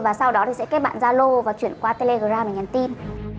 và sau đó thì sẽ kết bạn gia lô và chuyển qua telegram để nhắn tin